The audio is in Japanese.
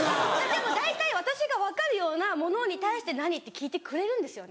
でも大体私が分かるようなものに対して何？って聞いてくれるんですよね。